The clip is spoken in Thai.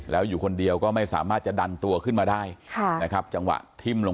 แล้วอยู่คนเดียวก็ไม่สามารถจะดันตัวขึ้นมาได้